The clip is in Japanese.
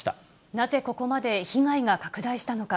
なぜここまで被害が拡大したのか。